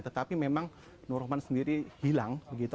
tetapi memang nur rahman sendiri hilang begitu